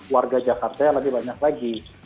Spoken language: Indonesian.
warga jakarta yang lebih banyak lagi